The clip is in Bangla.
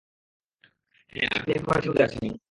হ্যাঁ, আপনি এখন হোয়াইট হাউসে আছেন!